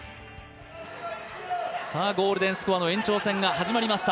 ゴールデンスコアの延長戦が始まりました。